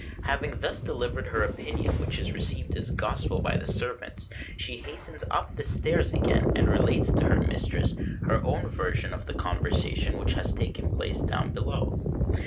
Having thus delivered her opinion, which is received as gospel by the servants, she hastens up stairs again, and relates to her mistress her own version of the conversation which has taken place down below.